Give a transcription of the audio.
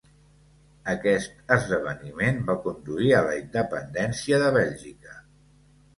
Aquest esdeveniment va conduir a la independència de Bèlgica.